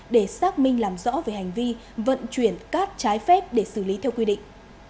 để xác minh làm rõ về hành vi vận chuyển cát trái phép để xử lý theo quy định